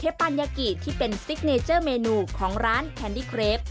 ปัญญากิที่เป็นซิกเนเจอร์เมนูของร้านแคนดี้เครป